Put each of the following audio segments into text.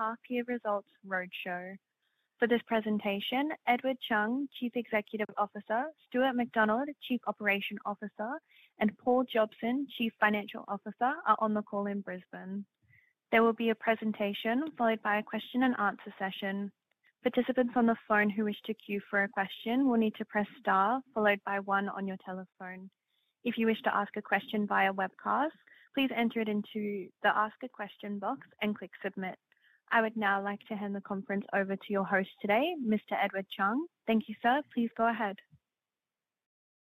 Half-year results roadshow. For this presentation, Edward Chung, Chief Executive Officer, Stuart MacDonald, Chief Operating Officer, and Paul Jobbins, Chief Financial Officer, are on the call in Brisbane. There will be a presentation followed by a question and answer session. Participants on the phone who wish to queue for a question will need to press star followed by one on your telephone. If you wish to ask a question via webcast, please enter it into the ask a question box and click submit. I would now like to hand the conference over to your host today, Mr. Edward Chung. Thank you, sir. Please go ahead.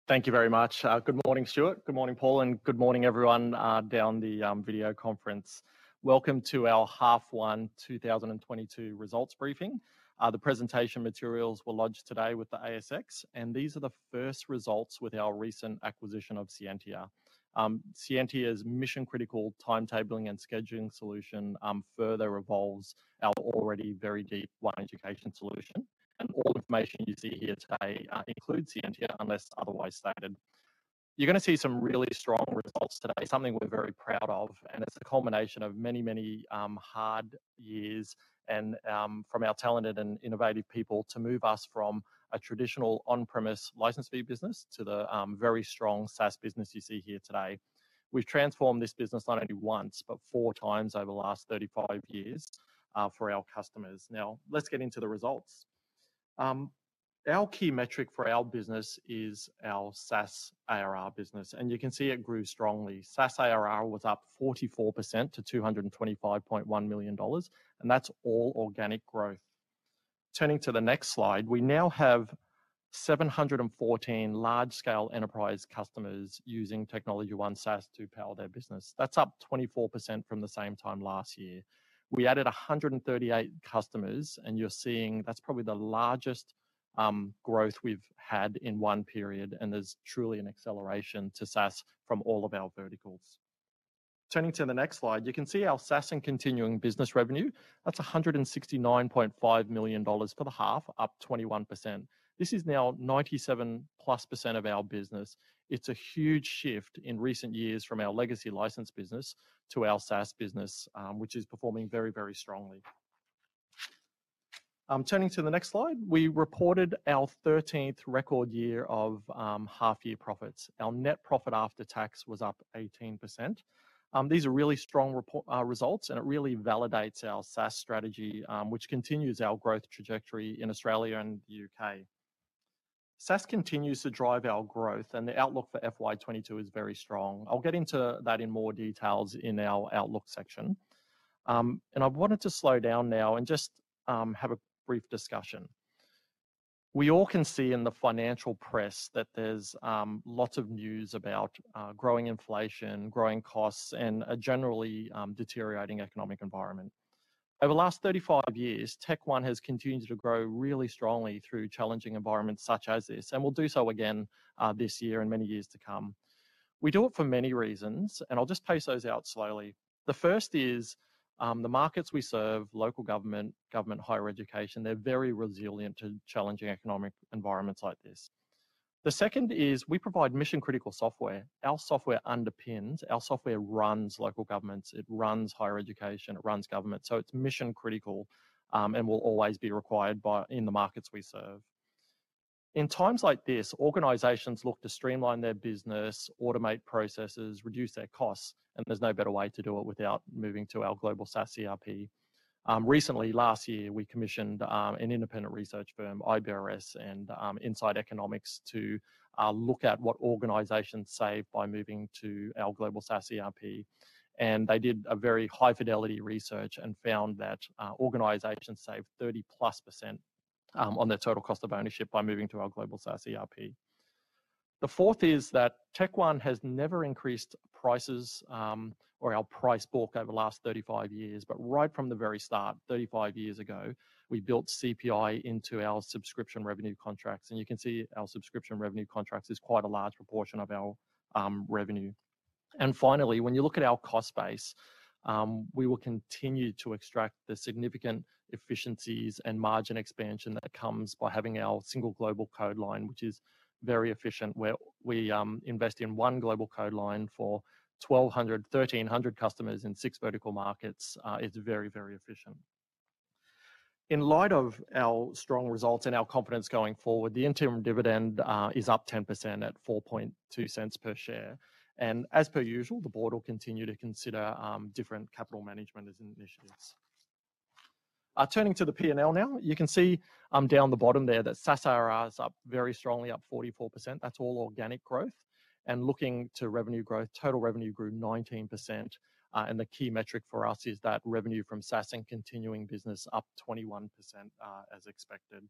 Thank you very much. Good morning, Stuart. Good morning, Paul, and good morning everyone down the video conference. Welcome to our H1 2022 results briefing. The presentation materials were lodged today with the ASX, and these are the first results with our recent acquisition of Scientia. Scientia's mission-critical timetabling and scheduling solution further evolves our already very deep OneEducation solution, and all information you see here today includes Scientia, unless otherwise stated. You're gonna see some really strong results today, something we're very proud of, and it's a culmination of many, many hard years and from our talented and innovative people to move us from a traditional on-premise license fee business to the very strong SaaS business you see here today. We've transformed this business not only once, but 4x over the last 35 years for our customers. Now, let's get into the results. Our key metric for our business is our SaaS ARR business, and you can see it grew strongly. SaaS ARR was up 44% to 225.1 million dollars, and that's all organic growth. Turning to the next slide, we now have 714 large scale enterprise customers using Technology One SaaS to power their business. That's up 24% from the same time last year. We added 138 customers, and you're seeing that's probably the largest growth we've had in one period, and there's truly an acceleration to SaaS from all of our verticals. Turning to the next slide, you can see our SaaS and continuing business revenue. That's 169.5 million dollars for the half, up 21%. This is now 97%+ of our business. It's a huge shift in recent years from our legacy license business to our SaaS business, which is performing very, very strongly. Turning to the next slide, we reported our 13th record year of half year profits. Our net profit after tax was up 18%. These are really strong results, and it really validates our SaaS strategy, which continues our growth trajectory in Australia and the U.K. SaaS continues to drive our growth, and the outlook for FY 2022 is very strong. I'll get into that in more details in our outlook section. I wanted to slow down now and just have a brief discussion. We all can see in the financial press that there's lots of news about growing inflation, growing costs, and a generally deteriorating economic environment. Over the last 35 years, Tech One has continued to grow really strongly through challenging environments such as this, and will do so again this year and many years to come. We do it for many reasons, and I'll just pace those out slowly. The first is the markets we serve, local government higher education, they're very resilient to challenging economic environments like this. The second is we provide mission-critical software. Our software runs local governments, it runs higher education, it runs government. So it's mission critical and will always be required in the markets we serve. In times like this, organizations look to streamline their business, automate processes, reduce their costs, and there's no better way to do it without moving to our global SaaS ERP. Recently, last year, we commissioned an independent research firm, IBRS and Insight Economics, to look at what organizations save by moving to our global SaaS ERP. They did a very high fidelity research and found that organizations save 30%+ on their total cost of ownership by moving to our global SaaS ERP. The fourth is that Tech One has never increased prices or our price book over the last 35 years, but right from the very start, 35 years ago, we built CPI into our subscription revenue contracts, and you can see our subscription revenue contracts is quite a large proportion of our revenue. Finally, when you look at our cost base, we will continue to extract the significant efficiencies and margin expansion that comes by having our single global code line, which is very efficient. Where we invest in one global code line for 1,200, 1,300 customers in six vertical markets, it's very, very efficient. In light of our strong results and our confidence going forward, the interim dividend is up 10% at 0.042 per share. As per usual, the board will continue to consider different capital management initiatives. Turning to the P&L now, you can see down the bottom there that SaaS ARR is up very strongly, up 44%. That's all organic growth. Looking to revenue growth, total revenue grew 19%. The key metric for us is that revenue from SaaS and continuing business up 21%, as expected.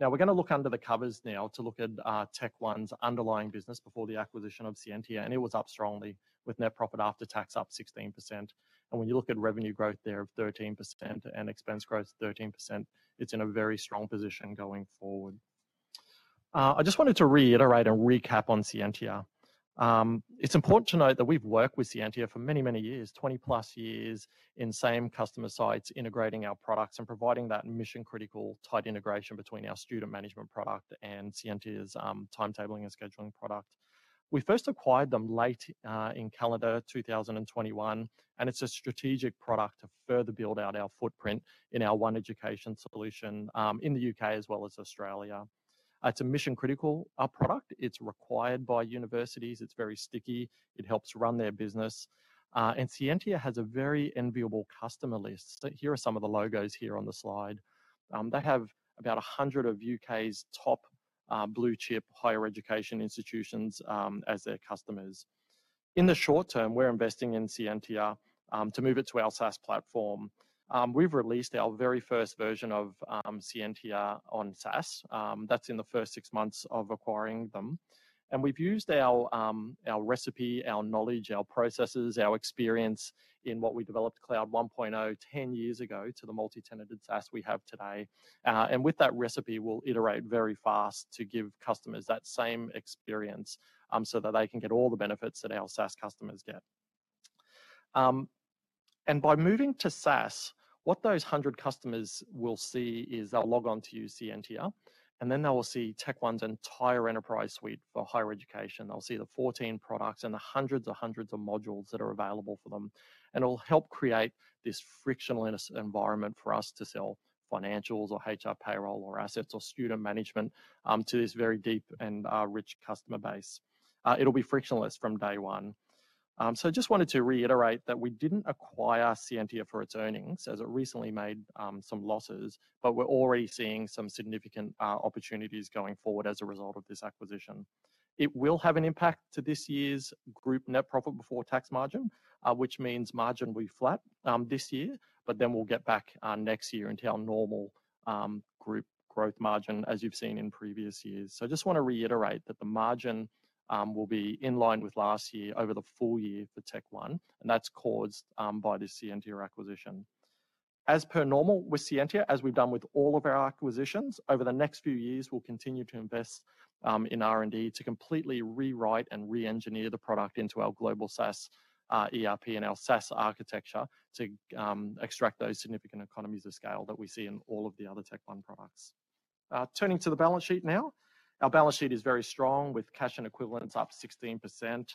Now, we're gonna look under the covers now to look at Technology One's underlying business before the acquisition of Scientia, and it was up strongly with net profit after tax up 16%. When you look at revenue growth there of 13% and expense growth 13%, it's in a very strong position going forward. I just wanted to reiterate and recap on Scientia. It's important to note that we've worked with Scientia for many, many years, 20+ years in same customer sites, integrating our products and providing that mission-critical tight integration between our student management product and Scientia's timetabling and scheduling product. We first acquired them late in calendar 2021, and it's a strategic product to further build out our footprint in our One Education solution in the U.K. As well as Australia. It's a mission-critical product. It's required by universities. It's very sticky. It helps run their business. And Scientia has a very enviable customer list. So here are some of the logos here on the slide. They have about 100 of U.K.'s top blue-chip higher education institutions as their customers. In the short term, we're investing in Scientia to move it to our SaaS platform. We've released our very first version of Scientia on SaaS. That's in the first 6 months of acquiring them. We've used our recipe, our knowledge, our processes, our experience in what we developed Cloud 1.0 10 years ago to the multi-tenanted SaaS we have today. With that recipe, we'll iterate very fast to give customers that same experience, so that they can get all the benefits that our SaaS customers get. By moving to SaaS, what those 100 customers will see is they'll log on to use Scientia, and then they will see Technology One's entire enterprise suite for higher education. They'll see the 14 products and the hundreds of modules that are available for them, and it'll help create this frictionless environment for us to sell Financials or HR & Payroll or Assets or Student Management to this very deep and rich customer base. It'll be frictionless from day one. Just wanted to reiterate that we didn't acquire Scientia for its earnings, as it recently made some losses, but we're already seeing some significant opportunities going forward as a result of this acquisition. It will have an impact to this year's group net profit before tax margin, which means margin will be flat this year, but then we'll get back next year into our normal group growth margin as you've seen in previous years. I just wanna reiterate that the margin will be in line with last year over the full year for Technology One, and that's caused by this Scientia acquisition. As per normal with Scientia, as we've done with all of our acquisitions, over the next few years, we'll continue to invest in R&D to completely rewrite and re-engineer the product into our global SaaS ERP and our SaaS architecture to extract those significant economies of scale that we see in all of the other Technology One products. Turning to the balance sheet now. Our balance sheet is very strong with cash and equivalents up 16%,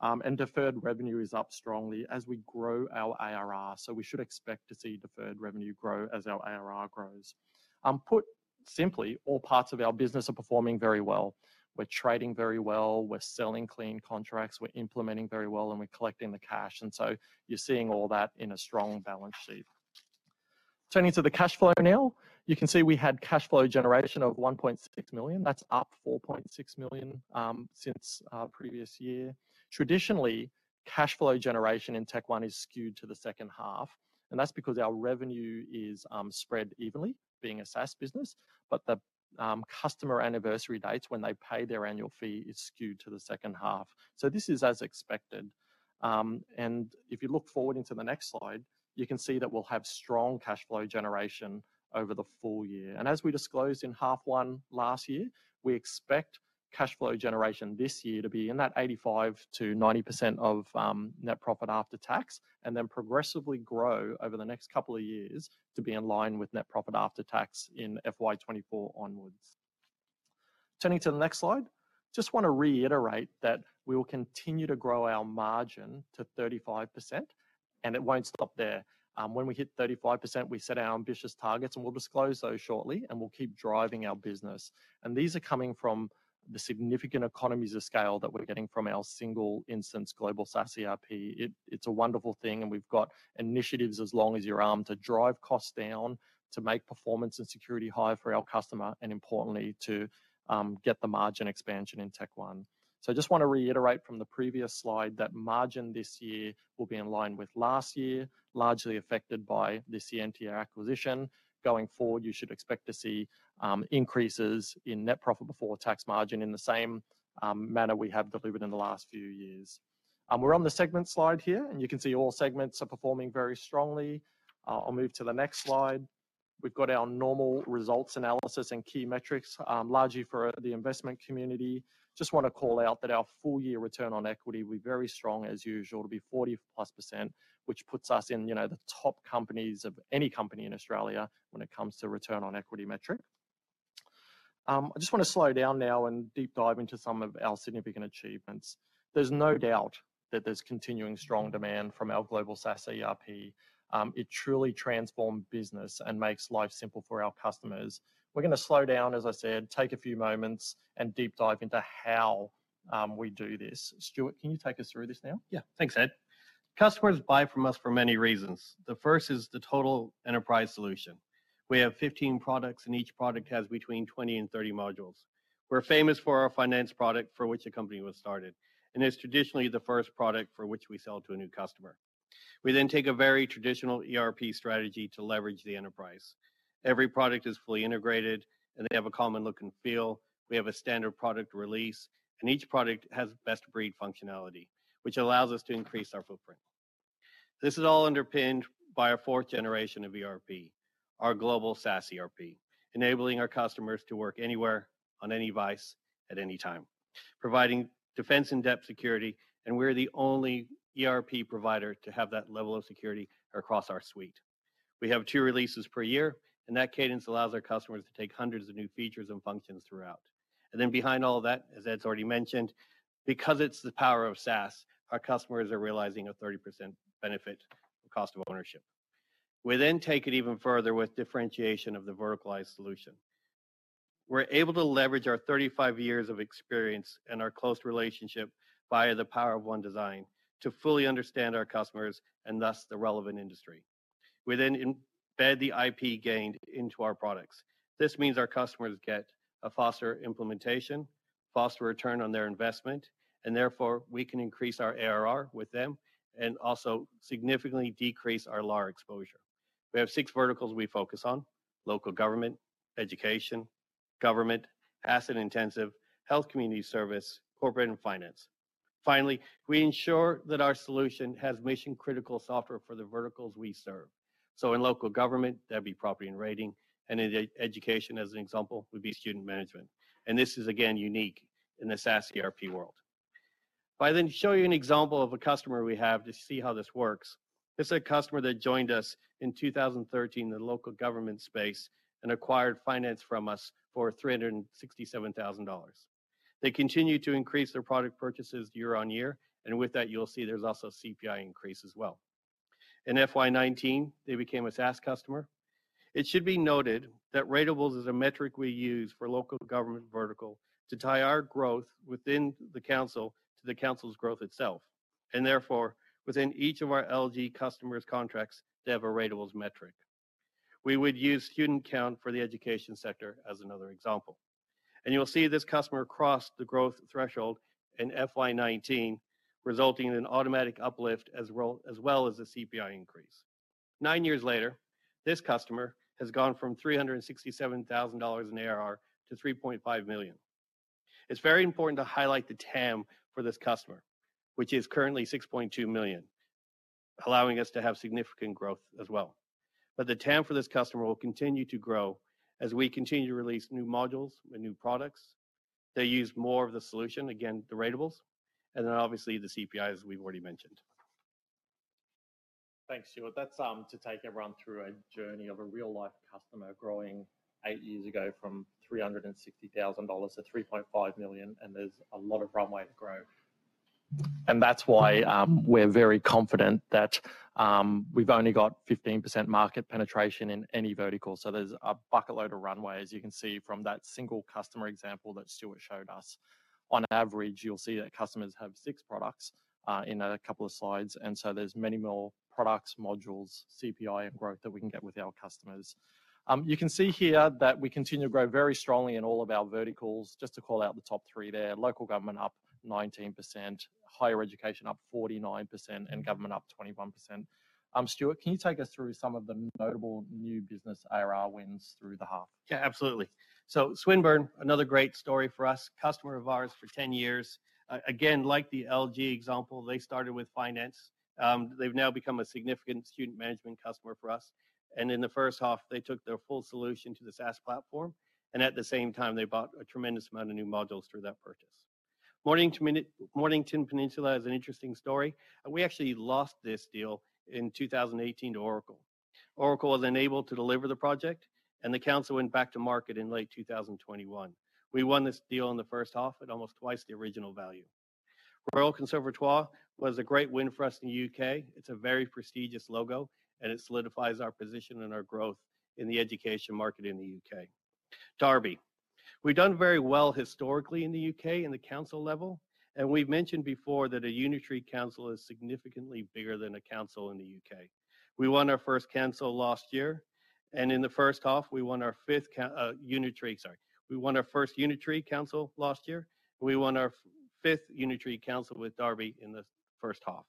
and deferred revenue is up strongly as we grow our ARR. We should expect to see deferred revenue grow as our ARR grows. Put simply, all parts of our business are performing very well. We're trading very well, we're selling clean contracts, we're implementing very well, and we're collecting the cash. You're seeing all that in a strong balance sheet. Turning to the cash flow now. You can see we had cash flow generation of 1.6 million. That's up 4.6 million since our previous year. Traditionally, cash flow generation in Technology One is skewed to the second half, and that's because our revenue is spread evenly, being a SaaS business. But the customer anniversary dates when they pay their annual fee is skewed to the second half. This is as expected. If you look forward into the next slide, you can see that we'll have strong cash flow generation over the full year. As we disclosed in half one last year, we expect cash flow generation this year to be in that 85%-90% of net profit after tax, and then progressively grow over the next couple of years to be in line with net profit after tax in FY 2024 onwards. Turning to the next slide. Just wanna reiterate that we will continue to grow our margin to 35%, and it won't stop there. When we hit 35%, we set our ambitious targets, and we'll disclose those shortly, and we'll keep driving our business. These are coming from the significant economies of scale that we're getting from our single instance global SaaS ERP. It's a wonderful thing, and we've got initiatives as long as your arm to drive costs down, to make performance and security high for our customer, and importantly, to get the margin expansion in Technology One. I just wanna reiterate from the previous slide that margin this year will be in line with last year, largely affected by the Scientia acquisition. Going forward, you should expect to see increases in net profit before tax margin in the same manner we have delivered in the last few years. We're on the segment slide here, and you can see all segments are performing very strongly. I'll move to the next slide. We've got our normal results analysis and key metrics, largely for the investment community. Just wanna call out that our full-year return on equity will be very strong as usual. It'll be 40%+, which puts us in, you know, the top companies of any company in Australia when it comes to return on equity metric. I just wanna slow down now and deep dive into some of our significant achievements. There's no doubt that there's continuing strong demand from our global SaaS ERP. It truly transforms business and makes life simple for our customers. We're gonna slow down, as I said, take a few moments, and deep dive into how we do this. Stuart, can you take us through this now? Yeah. Thanks, Ed. Customers buy from us for many reasons. The first is the total enterprise solution. We have 15 products, and each product has between 20 and 30 modules. We're famous for our finance product, for which the company was started, and it's traditionally the first product for which we sell to a new customer. We then take a very traditional ERP strategy to leverage the enterprise. Every product is fully integrated, and they have a common look and feel. We have a standard product release, and each product has best-of-breed functionality, which allows us to increase our footprint. This is all underpinned by our 4th generation of ERP, our global SaaS ERP, enabling our customers to work anywhere, on any device, at any time. Providing defense in-depth security, and we're the only ERP provider to have that level of security across our suite. We have two releases per year, and that cadence allows our customers to take hundreds of new features and functions throughout. Then behind all of that, as Ed's already mentioned, because it's the power of SaaS, our customers are realizing a 30% benefit in cost of ownership. We then take it even further with differentiation of the verticalized solution. We're able to leverage our 35 years of experience and our close relationship via the Power of One design to fully understand our customers and thus the relevant industry. We then embed the IP gained into our products. This means our customers get a faster implementation, faster return on their investment, and therefore, we can increase our ARR with them and also significantly decrease our LaR exposure. We have six verticals we focus on. Local government, education, government, asset intensive, health community service, corporate, and finance. Finally, we ensure that our solution has mission-critical software for the verticals we serve. In local government, that'd be property and rating. In education, as an example, would be student management. This is again, unique in the SaaS ERP world. If I then show you an example of a customer we have to see how this works. This is a customer that joined us in 2013 in the local government space and acquired finance from us for 367,000 dollars. They continued to increase their product purchases year on year, and with that, you'll see there's also CPI increase as well. In FY 2019, they became a SaaS customer. It should be noted that ratables is a metric we use for local government vertical to tie our growth within the council to the council's growth itself. Therefore, within each of our LG customers' contracts, they have a ratables metric. We would use student count for the education sector as another example. You'll see this customer crossed the growth threshold in FY 2019, resulting in an automatic uplift as well as the CPI increase. 9 years later, this customer has gone from 367,000 dollars in ARR to 3.5 million. It's very important to highlight the TAM for this customer, which is currently 6.2 million, allowing us to have significant growth as well. The TAM for this customer will continue to grow as we continue to release new modules and new products. They use more of the solution, again, the ratables, and then obviously the CPI, as we've already mentioned. Thanks, Stuart. That's to take everyone through a journey of a real-life customer growing 8 years ago from 360,000 dollars to 3.5 million, and there's a lot of runway to grow. That's why we're very confident that we've only got 15% market penetration in any vertical. There's a bucket load of runway, as you can see from that single customer example that Stuart showed us. On average, you'll see that customers have six products in a couple of slides. There's many more products, modules, CPI, and growth that we can get with our customers. You can see here that we continue to grow very strongly in all of our verticals. Just to call out the top three there, local government up 19%, higher education up 49%, and government up 21%. Stuart, can you take us through some of the notable new business ARR wins through the half? Yeah, absolutely. Swinburne, another great story for us. Customer of ours for 10 years. Again, like the LG example, they started with finance. They've now become a significant student management customer for us. In the first half, they took their full solution to the SaaS platform, and at the same time, they bought a tremendous amount of new modules through that purchase. Mornington Peninsula is an interesting story. We actually lost this deal in 2018 to Oracle. Oracle was unable to deliver the project, and the council went back to market in late 2021. We won this deal in the first half at almost twice the original value. Royal Conservatoire was a great win for us in the U.K. It's a very prestigious logo, and it solidifies our position and our growth in the education market in the U.K. Derby. We've done very well historically in the U.K. in the council level, and we've mentioned before that a unitary council is significantly bigger than a council in the U.K. We won our first unitary council last year, and in the first half, we won our fifth unitary council with Derby in the first half.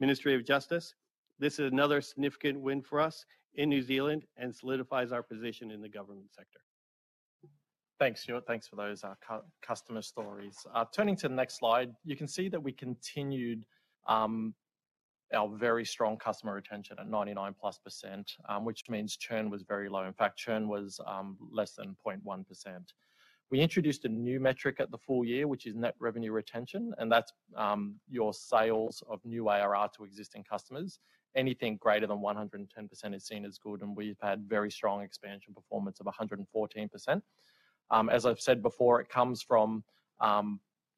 Ministry of Justice. This is another significant win for us in New Zealand and solidifies our position in the government sector. Thanks, Stuart. Thanks for those customer stories. Turning to the next slide, you can see that we continued our very strong customer retention at 99%+, which means churn was very low. In fact, churn was less than 0.1%. We introduced a new metric at the full year, which is Net Revenue Retention, and that's your sales of new ARR to existing customers. Anything greater than 110% is seen as good, and we've had very strong expansion performance of 114%. As I've said before, it comes from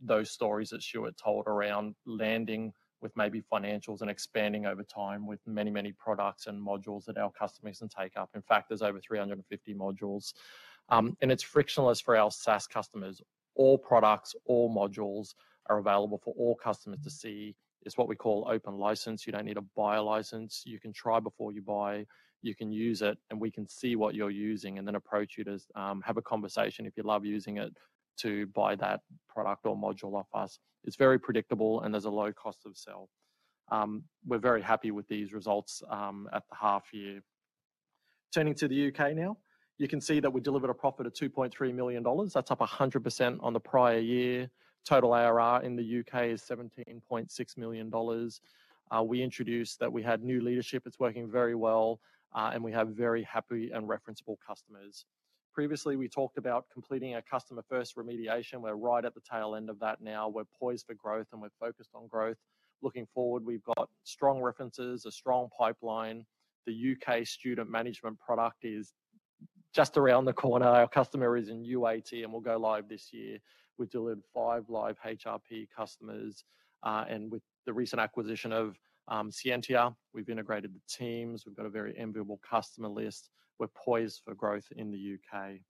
those stories that Stuart told around landing with maybe financials and expanding over time with many, many products and modules that our customers can take up. In fact, there's over 350 modules. It's frictionless for our SaaS customers. All products, all modules are available for all customers to see. It's what we call open license. You don't need to buy a license. You can try before you buy. You can use it, and we can see what you're using and then approach you to have a conversation if you love using it to buy that product or module off us. It's very predictable, and there's a low cost of sale. We're very happy with these results at the half year. Turning to the U.K. now. You can see that we delivered a profit of 2.3 million dollars. That's up 100% on the prior year. Total ARR in the U.K. is 17.6 million dollars. We introduced that we had new leadership. It's working very well, and we have very happy and referenceable customers. Previously, we talked about completing our customer-first remediation. We're right at the tail end of that now. We're poised for growth, and we're focused on growth. Looking forward, we've got strong references, a strong pipeline. The U.K. student management product is just around the corner. Our customer is in UAT, and we'll go live this year. We delivered five live HRP customers. With the recent acquisition of Scientia, we've integrated the teams. We've got a very enviable customer list. We're poised for growth in the U.K.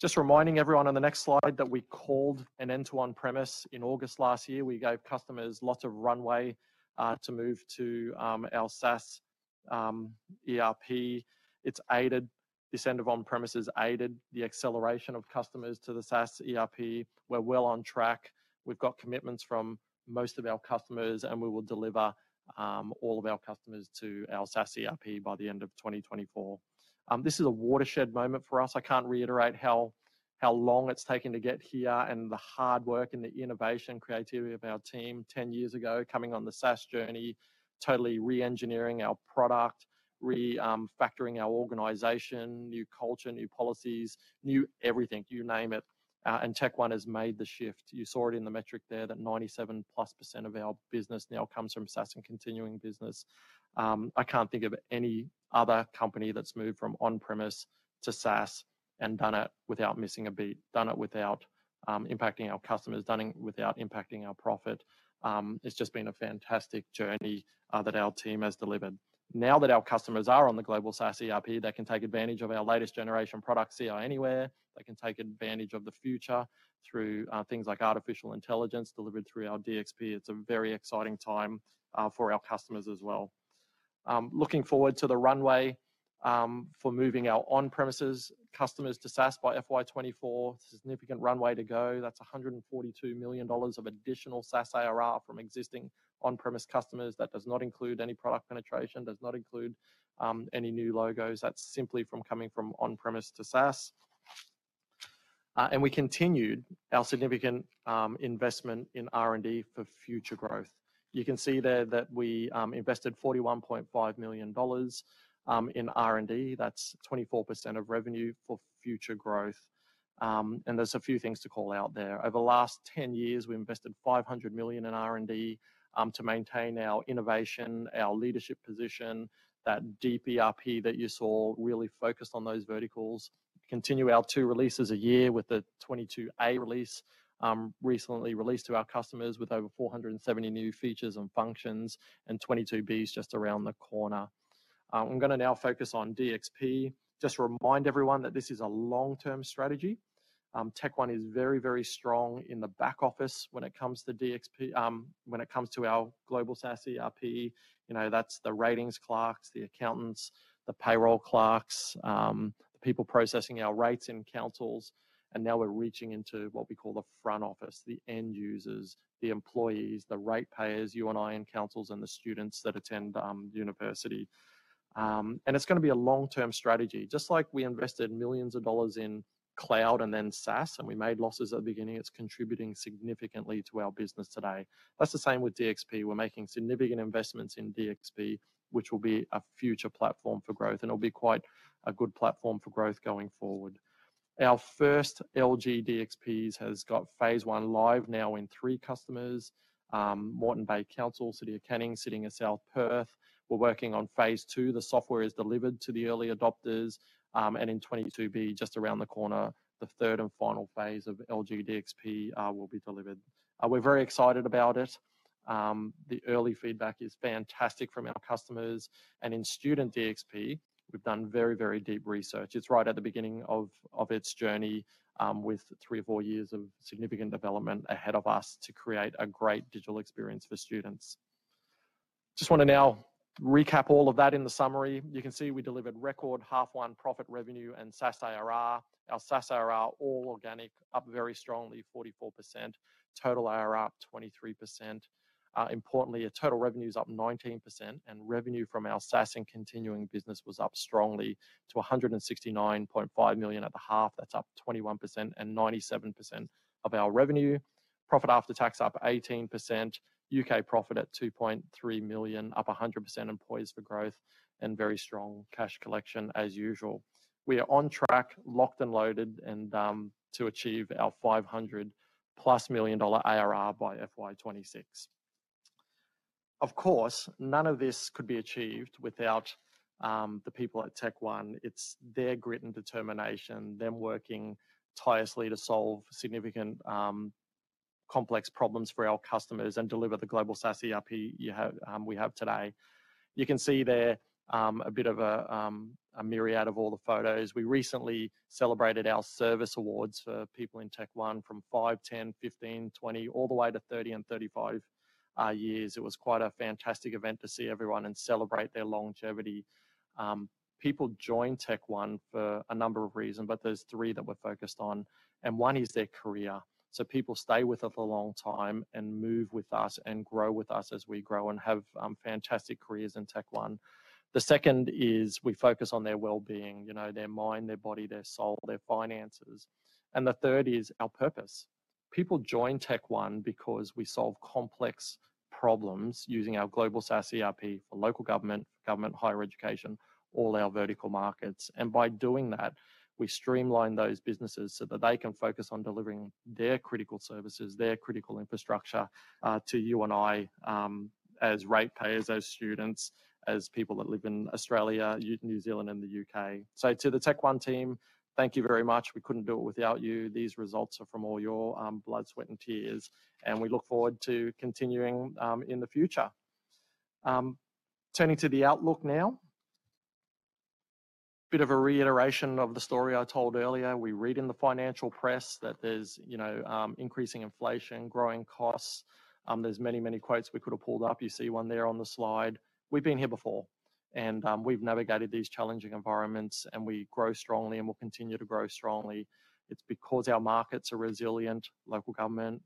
Just reminding everyone on the next slide that we called an end to on-premise in August last year. We gave customers lots of runway to move to our SaaS ERP. This end of on-premise has aided the acceleration of customers to the SaaS ERP. We're well on track. We've got commitments from most of our customers, and we will deliver all of our customers to our SaaS ERP by the end of 2024. This is a watershed moment for us. I can't reiterate how long it's taken to get here and the hard work and the innovation, creativity of our team 10 years ago, coming on the SaaS journey, totally re-engineering our product, factoring our organization, new culture, new policies, new everything. You name it. Technology One has made the shift. You saw it in the metric there that 97%+ of our business now comes from SaaS and continuing business. I can't think of any other company that's moved from on-premise to SaaS and done it without missing a beat, done it without impacting our customers, done it without impacting our profit. It's just been a fantastic journey that our team has delivered. Now that our customers are on the global SaaS ERP, they can take advantage of our latest generation product, Ci Anywhere. They can take advantage of the future through things like artificial intelligence delivered through our DxP. It's a very exciting time for our customers as well. Looking forward to the runway for moving our on-premise customers to SaaS by FY 2024. Significant runway to go. That's 142 million dollars of additional SaaS ARR from existing on-premise customers. That does not include any product penetration, does not include any new logos. That's simply from coming from on-premise to SaaS. We continued our significant investment in R&D for future growth. You can see there that we invested 41.5 million dollars in R&D. That's 24% of revenue for future growth. There's a few things to call out there. Over the last 10 years, we invested 500 million in R&D to maintain our innovation, our leadership position. That deep ERP that you saw really focused on those verticals. Continue our two releases a year with the 22A release recently released to our customers with over 470 new features and functions, and 22B is just around the corner. I'm gonna now focus on DxP. Just to remind everyone that this is a long-term strategy. Technology One is very, very strong in the back office when it comes to DxP when it comes to our global SaaS ERP. You know, that's the ratings clerks, the accountants, the payroll clerks, the people processing our rates in councils, and now we're reaching into what we call the front office, the end users, the employees, the ratepayers, you and I in councils, and the students that attend university. It's gonna be a long-term strategy. Just like we invested millions dollars in cloud and then SaaS, and we made losses at the beginning, it's contributing significantly to our business today. That's the same with DxP. We're making significant investments in DxP, which will be a future platform for growth, and it'll be quite a good platform for growth going forward. Our first LG DxPs has got phase I live now in three customers, Moreton Bay Regional Council, City of Canning, City of South Perth. We're working on phase II. The software is delivered to the early adopters, and in 22B, just around the corner, the third and final phase of DxP LG will be delivered. We're very excited about it. The early feedback is fantastic from our customers. In DxP Student, we've done very, very deep research. It's right at the beginning of its journey with 3-4 years of significant development ahead of us to create a great digital experience for students. Just wanna now recap all of that in the summary. You can see we delivered record half one profit revenue and SaaS ARR. Our SaaS ARR, all organic, up very strongly, 44%. Total ARR up 23%. Importantly, our total revenue's up 19%, and revenue from our SaaS and continuing business was up strongly to 169.5 million at the half. That's up 21% and 97% of our revenue. Profit after tax up 18%. U.K profit at 2.3 million, up 100% and poised for growth, and very strong cash collection as usual. We are on track, locked and loaded, and to achieve our 500+ million dollar ARR by FY 2026. Of course, none of this could be achieved without the people at Technology One. It's their grit and determination, them working tirelessly to solve significant complex problems for our customers and deliver the global SaaS ERP you have, we have today. You can see there, a bit of a myriad of all the photos. We recently celebrated our service awards for people in Technology One from 5, 10, 15, 20, all the way to 30 and 35 years. It was quite a fantastic event to see everyone and celebrate their longevity. People join Technology One for a number of reasons, but there's three that we're focused on, and one is their career. People stay with us a long time and move with us and grow with us as we grow and have fantastic careers in Technology One. The second is we focus on their well-being, you know, their mind, their body, their soul, their finances. The third is our purpose. People join Technology One because we solve complex problems using our global SaaS ERP for local government, higher education, all our vertical markets. By doing that, we streamline those businesses so that they can focus on delivering their critical services, their critical infrastructure, to you and I, as ratepayers, as students, as people that live in Australia, New Zealand, and the U.K. To the Technology One team, thank you very much. We couldn't do it without you. These results are from all your blood, sweat, and tears, and we look forward to continuing in the future. Turning to the outlook now. Bit of a reiteration of the story I told earlier. We read in the financial press that there's, you know, increasing inflation, growing costs. There's many, many quotes we could have pulled up. You see one there on the slide. We've been here before and, we've navigated these challenging environments, and we grow strongly and will continue to grow strongly. It's because our markets are resilient, local government,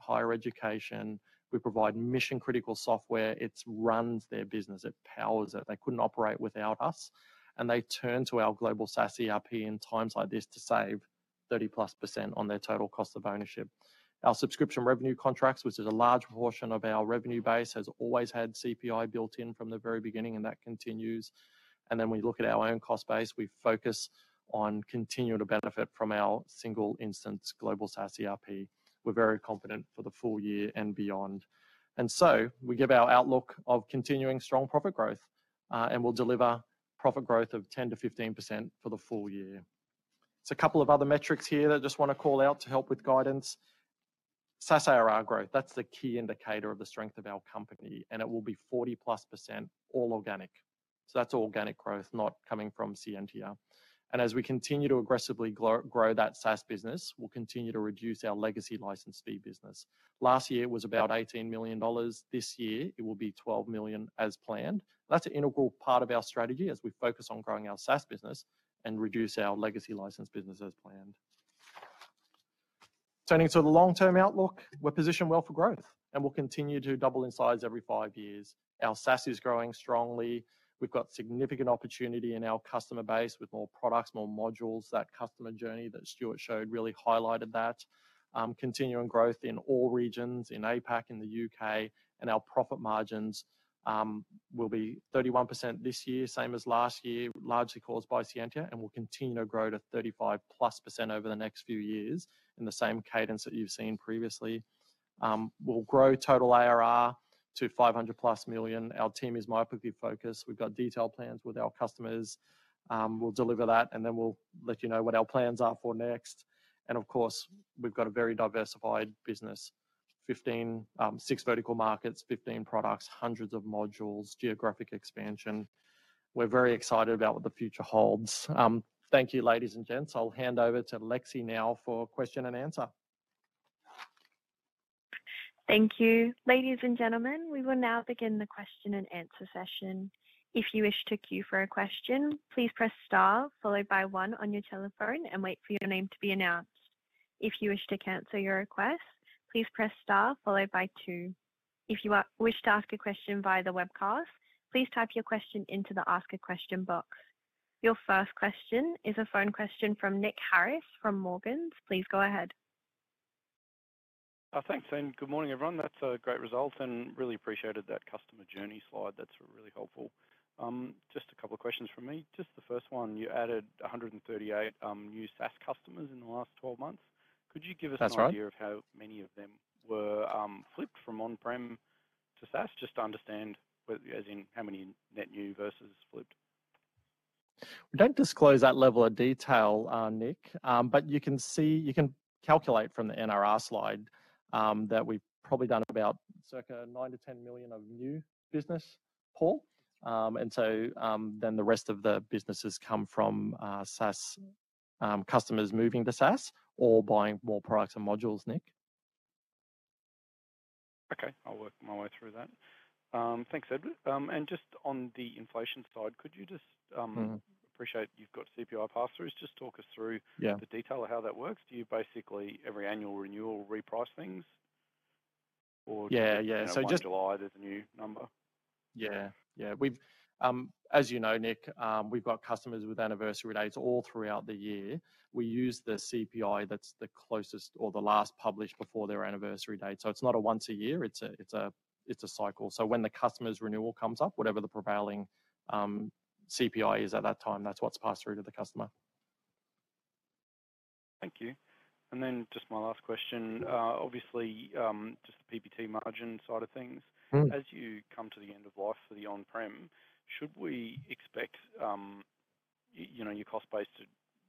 higher education. We provide mission-critical software. It runs their business. It powers it. They couldn't operate without us, and they turn to our global SaaS ERP in times like this to save 30%+ on their total cost of ownership. Our subscription revenue contracts, which is a large portion of our revenue base, has always had CPI built in from the very beginning, and that continues. Then we look at our own cost base. We focus on continuing to benefit from our single instance global SaaS ERP. We're very confident for the full year and beyond. We give our outlook of continuing strong profit growth, and we'll deliver profit growth of 10%-15% for the full year. A couple of other metrics here that I just wanna call out to help with guidance. SaaS ARR growth, that's the key indicator of the strength of our company, and it will be 40%+ all organic. That's organic growth not coming from Scientia. As we continue to aggressively grow that SaaS business, we'll continue to reduce our legacy license fee business. Last year it was about 18 million dollars. This year it will be 12 million as planned. That's an integral part of our strategy as we focus on growing our SaaS business and reduce our legacy license business as planned. Turning to the long-term outlook, we're positioned well for growth, and we'll continue to double in size every 5 years. Our SaaS is growing strongly. We've got significant opportunity in our customer base with more products, more modules. That customer journey that Stuart showed really highlighted that. Continuing growth in all regions, in APAC, in the U.K., and our profit margins will be 31% this year, same as last year, largely caused by Scientia, and will continue to grow to 35%+ over the next few years in the same cadence that you've seen previously. We'll grow total ARR to 500+ million. Our team is myopically focused. We've got detailed plans with our customers. We'll deliver that, and then we'll let you know what our plans are for next. Of course, we've got a very diversified business. six vertical markets, 15 products, hundreds of modules, geographic expansion. We're very excited about what the future holds. Thank you, ladies and gents. I'll hand over to Lexi now for question and answer. Thank you. Ladies and gentlemen, we will now begin the question and answer session. If you wish to queue for a question, please press star followed by one on your telephone and wait for your name to be announced. If you wish to cancel your request, please press star followed by two. If you wish to ask a question via the webcast, please type your question into the ask a question box. Your first question is a phone question from Nick Harris from Morgans. Please go ahead. Thanks, and good morning, everyone. That's a great result and really appreciated that customer journey slide. That's really helpful. Just a couple of questions from me. Just the first one, you added 138 new SaaS customers in the last 12 months. Could you give us an idea of how many of them were flipped from on-prem to SaaS? Just to understand whether as in how many net new versus flipped. We don't disclose that level of detail, Nick. But you can calculate from the NRR slide that we've probably done about circa 9 million-10 million of new business, Paul. The rest of the businesses come from SaaS customers moving to SaaS or buying more products and modules, Nick. Okay. I'll work my way through that. Thanks, Edward. Just on the inflation side, could you just? Mm-hmm. Appreciate you've got CPI pass-throughs. Just talk us through the detail of how that works. Do you basically every annual renewal reprice things or every July there's a new number? Yeah. We've, as you know, Nick, we've got customers with anniversary dates all throughout the year. We use the CPI that's the closest or the last published before their anniversary date. It's not a once a year, it's a cycle. When the customer's renewal comes up, whatever the prevailing CPI is at that time, that's what's passed through to the customer. Thank you. Just my last question. Obviously, just the PBT margin side of things. Mm-hmm. As you come to the end of life for the on-prem, should we expect, you know, your cost base to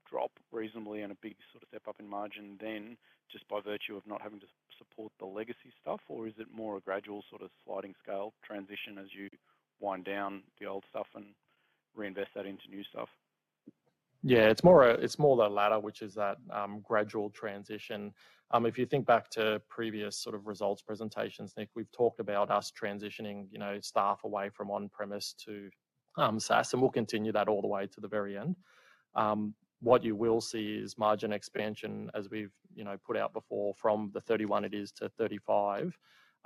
drop reasonably and a big sort of step up in margin then just by virtue of not having to support the legacy stuff? Or is it more a gradual sort of sliding scale transition as you wind down the old stuff and reinvest that into new stuff. Yeah, it's more the latter, which is that gradual transition. If you think back to previous sort of results presentations, Nick, we've talked about us transitioning, you know, staff away from on-premise to SaaS, and we'll continue that all the way to the very end. What you will see is margin expansion as we've, you know, put out before, from the 31% it is to 35%.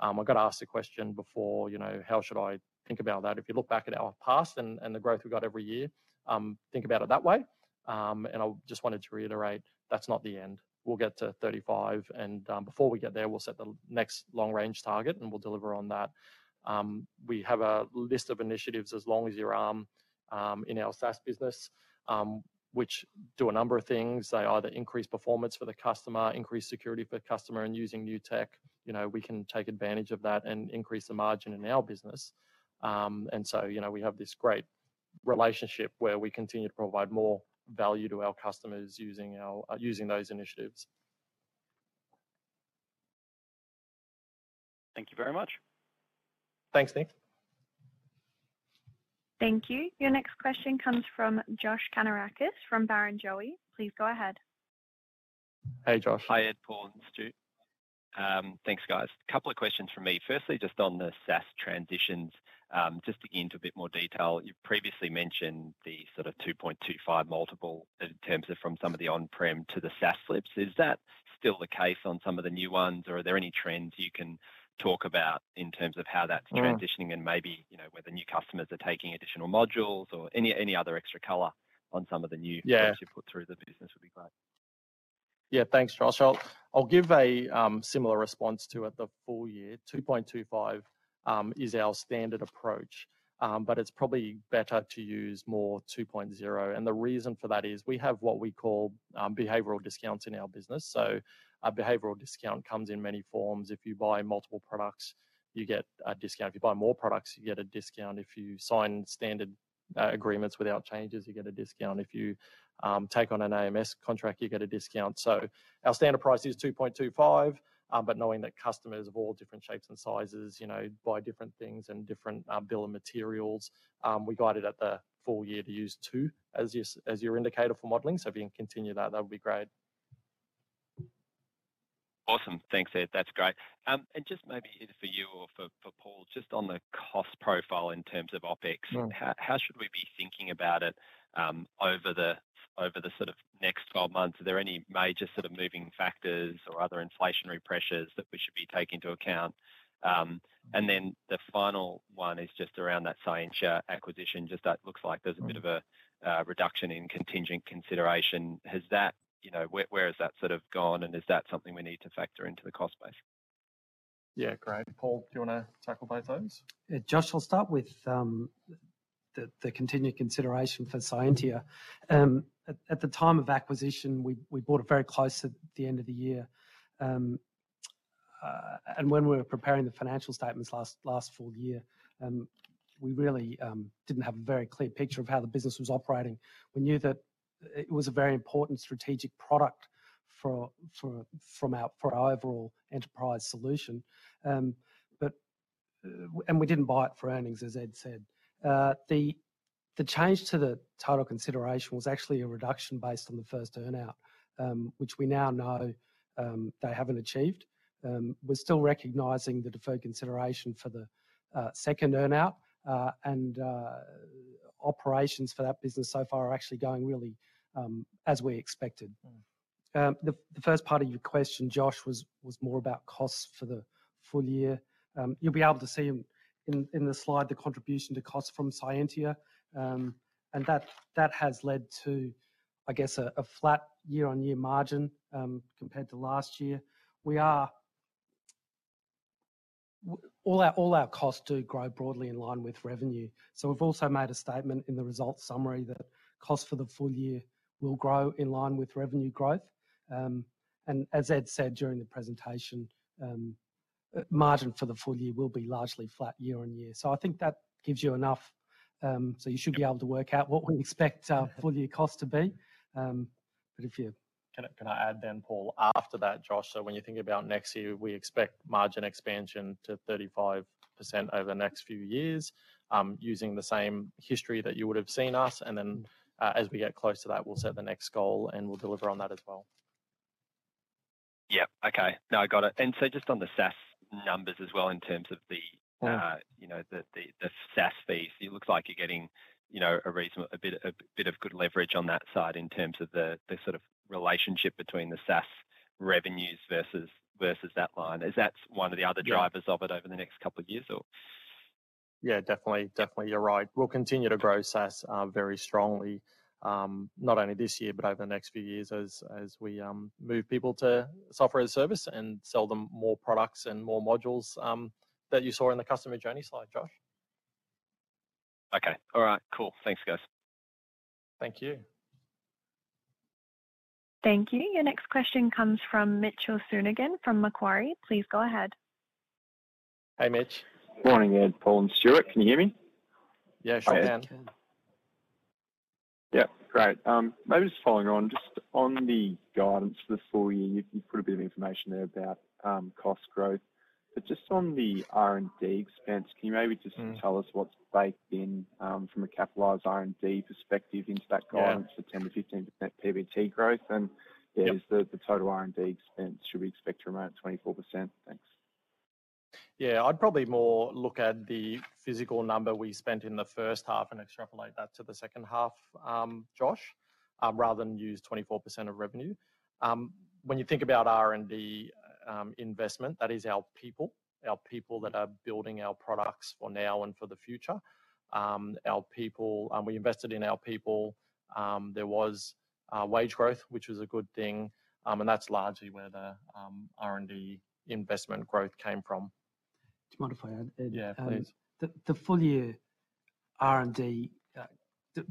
I got asked the question before, you know, how should I think about that? If you look back at our past and the growth we've got every year, think about it that way. I just wanted to reiterate, that's not the end. We'll get to 35%, and before we get there, we'll set the next long-range target, and we'll deliver on that. We have a list of initiatives as long as your arm, in our SaaS business, which do a number of things. They either increase performance for the customer, increase security for the customer, and using new tech. You know, we can take advantage of that and increase the margin in our business. You know, we have this great relationship where we continue to provide more value to our customers using those initiatives. Thank you very much. Thanks, Nick. Thank you. Your next question comes from Josh Kannourakis from Barrenjoey. Please go ahead. Hey, Josh. Hi, Edward, Paul Jobbins, and Stuart MacDonald. Thanks, guys. A couple of questions from me. Firstly, just on the SaaS transitions, just to get into a bit more detail. You previously mentioned the sort of 2.25 multiple in terms of from some of the on-prem to the SaaS lifts. Is that still the case on some of the new ones, or are there any trends you can talk about in terms of how that's transitioning? Mm. Maybe, you know, whether new customers are taking additional modules or any other extra color on some of the new bids you've put through the business, we'd be glad. Yeah. Thanks, Josh. I'll give a similar response to the full year. 2.25% is our standard approach, but it's probably better to use 2.0%. The reason for that is we have what we call behavioral discounts in our business. A behavioral discount comes in many forms. If you buy multiple products, you get a discount. If you buy more products, you get a discount. If you sign standard agreements without changes, you get a discount. If you take on an AMS contract, you get a discount. Our standard price is 2.25%, but knowing that customers of all different shapes and sizes, you know, buy different things and different bill of materials, we guided at the full year to use 2% as your indicator for modeling. If you can continue that would be great. Awesome. Thanks, Ed. That's great. Just maybe Ed for you or for Paul, just on the cost profile in terms of OpEx. How should we be thinking about it over the sort of next 12 months? Are there any major sort of moving factors or other inflationary pressures that we should be taking into account? The final one is just around that Scientia acquisition, just that looks like there's a bit of a reduction in contingent consideration. Has that? You know, where has that sort of gone, and is that something we need to factor into the cost base? Yeah. Great. Paul, do you wanna tackle both those? Yeah, Josh, I'll start with the continued consideration for Scientia. At the time of acquisition, we bought it very close to the end of the year. When we were preparing the financial statements last full year, we really didn't have a very clear picture of how the business was operating. We knew that it was a very important strategic product for our overall enterprise solution. We didn't buy it for earnings, as Ed said. The change to the total consideration was actually a reduction based on the first earn-out, which we now know they haven't achieved. We're still recognizing the deferred consideration for the second earn-out, and operations for that business so far are actually going really as we expected. The first part of your question, Josh, was more about costs for the full year. You'll be able to see in the slide the contribution to costs from Scientia, and that has led to, I guess, a flat year-on-year margin, compared to last year. All our costs do grow broadly in line with revenue. We've also made a statement in the results summary that costs for the full year will grow in line with revenue growth. As Ed said during the presentation, margin for the full year will be largely flat year-on-year. I think that gives you enough, you should be able to work out what we expect our full year cost to be. If you. Can I add then, Paul, after that, Josh, when you're thinking about next year, we expect margin expansion to 35% over the next few years, using the same history that you would have seen us. As we get close to that, we'll set the next goal, and we'll deliver on that as well. Yeah. Okay. No, got it. Just on the SaaS numbers as well in terms of the, you know, the SaaS fees, it looks like you're getting, you know, a bit of good leverage on that side in terms of the sort of relationship between the SaaS revenues versus that line. Is that one of the other drivers of it over the next couple of years or? Yeah, definitely. You're right. We'll continue to grow SaaS very strongly, not only this year but over the next few years as we move people to software as a service and sell them more products and more modules that you saw in the customer journey slide, Josh. Okay. All right. Cool. Thanks, guys. Thank you. Thank you. Your next question comes from Mitchell Sonogan from Macquarie. Please go ahead. Hey, Mitch. Morning, Ed, Paul, and Stuart. Can you hear me? Yeah, sure can. Yeah, great. Maybe just following on, just on the guidance for the full year, you put a bit of information there about, cost growth. Just on the R&D expense, can you maybe just tell us what's baked in, from a capitalized R&D perspective into that guidance for 10%-15% PBT growth? Yep. Should we expect the total R&D expense to remain at 24%? Thanks. Yeah. I'd probably more look at the physical number we spent in the first half and extrapolate that to the second half, Josh, rather than use 24% of revenue. When you think about R&D investment, that is our people that are building our products for now and for the future. Our people. We invested in our people. There was wage growth, which was a good thing. That's largely where the R&D investment growth came from. Do you mind if I add, Ed? Yeah, please. The full year R&D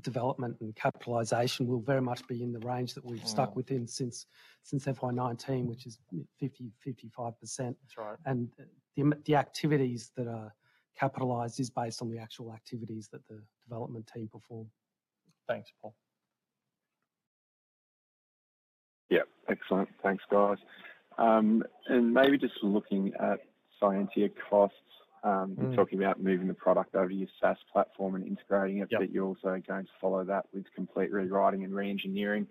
development and capitalization will very much be in the range that we've stuck within since FY 2019, which is 55%. That's right. The activities that are capitalized is based on the actual activities that the development team perform. Thanks, Paul. Yeah. Excellent. Thanks, guys. Maybe just looking at Scientia costs. Mm. You're talking about moving the product over to your SaaS platform and integrating it. Yep. You're also going to follow that with complete rewriting and re-engineering.